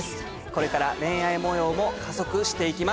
これから恋愛模様も加速して行きます。